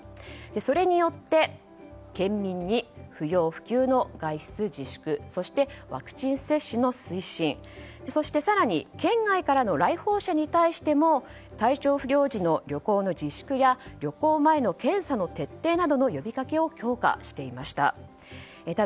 それによって県民に不要不急の外出自粛そしてワクチン接種の推進そして更に県外からの来訪者に対しても体調不良時の旅行の自粛や旅行前の検査の徹底などの呼びかけを強化していました。